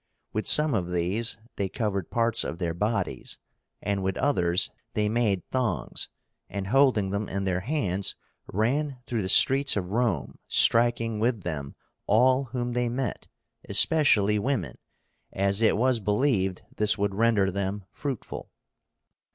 With some of these they covered parts of their bodies, and with others, they made thongs, and, holding them in their hands, ran through the streets of Rome, striking with them all whom they met, especially women, as it was believed this would render them fruitful.